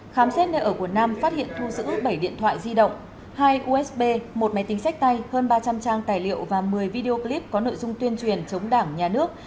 khám xét nơi ở quần nam phát hiện thu giữ bảy điện thoại di động hai usb một máy tính sách tay hơn ba trăm linh trang tài liệu và một mươi video clip có nội dung tuyên truyền chống đảng nhà nước